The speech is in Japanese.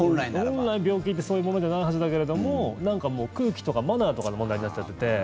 本来、病気ってそういうものじゃないはずだけどなんかもう空気とかマナーとかの問題になっちゃってて。